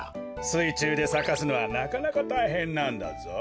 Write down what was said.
すいちゅうでさかすのはなかなかたいへんなんだぞ。